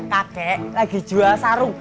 kakek lagi jual sarung